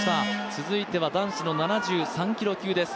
続いては男子の７３キロ級です。